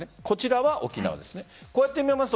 こちらは沖縄です。